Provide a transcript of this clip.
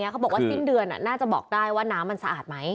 เขาบอกว่าสิ้นเดือนน่าจะบอกได้ว่าน้ำมันสะอาดไหม